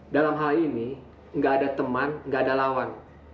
dalam hal ini gak ada teman gak ada lawan